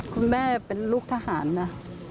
คุณแม่เป็นลูกทหารนะ